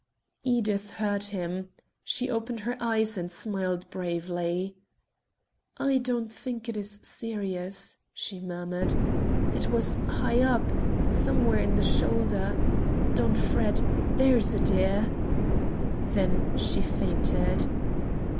Edith heard him. She opened her eyes, and smiled bravely. "I don't think it is serious," she murmured. "I was hit high up somewhere in the shoulder. Don't fret, there's a dear." Then she fainted.